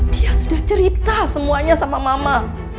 dia sudah cerita semuanya sama mama